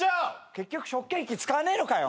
結局食券機使わねえのか！